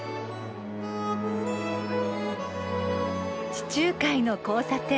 地中海の交差点